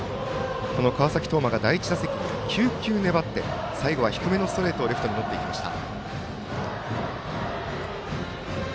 川崎統馬が第１打席に９球粘って最後は低めのストレートをレフトに持っていきました。